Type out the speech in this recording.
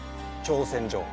挑戦状